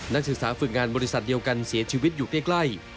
นักศึกษาฝึกงานบริษัทเดียวกันเสียชีวิตอยู่ใกล้